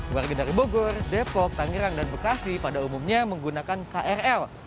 warga dari bogor depok tangerang dan bekasi pada umumnya menggunakan krl